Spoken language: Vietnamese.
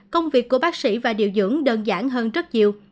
công việc của bác sĩ và điều dưỡng đơn giản hơn rất nhiều